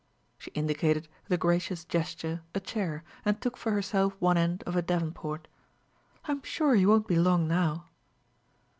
She indicated, with a gracious gesture, a chair, and took for herself one end of a davenport. "I'm sure he won't be long, now."